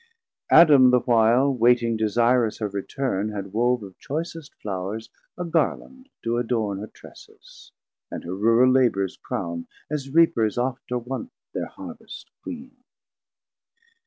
Adam the while Waiting desirous her return, had wove Of choicest Flours a Garland to adorne 840 Her Tresses, and her rural labours crown As Reapers oft are wont thir Harvest Queen.